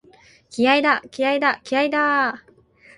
気合いだ、気合いだ、気合いだーっ！！！